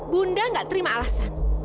bunda gak terima alasan